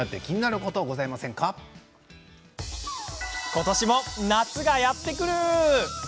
ことしも夏がやってくる。